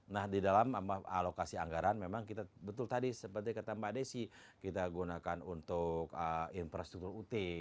nah di dalam alokasi anggaran memang kita betul tadi seperti kata mbak desi kita gunakan untuk infrastruktur ut